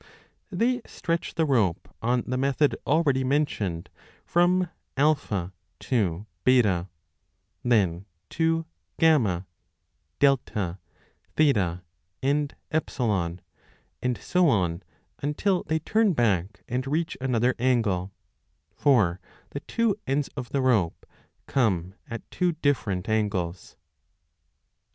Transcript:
They stretch the rope on 15 the method already mentioned from A to B, then to F, A, 0, and E, and so on until they turn back and reach another angle ; for the two ends of the rope 2 come at two different angles.